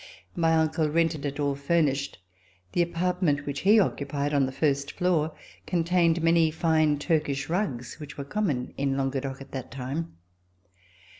My uncle rented it all furnished. The apartment which he occupied on the first floor contained very fine Turkish rugs, which were common in Languedoc at that time.